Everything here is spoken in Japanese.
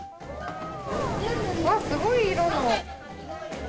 あっ、すごい色の。